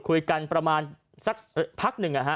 คุยกันประมาณสักพักหนึ่ง